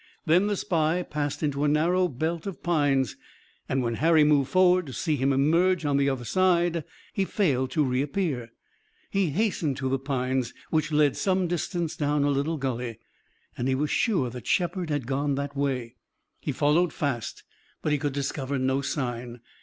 Then the spy passed into a narrow belt of pines, and when Harry moved forward to see him emerge on the other side he failed to reappear. He hastened to the pines, which led some distance down a little gully, and he was sure that Shepard had gone that way. He followed fast, but he could discover no sign.